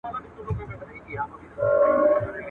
تسلیم کړي یې خانان او جنرالان وه.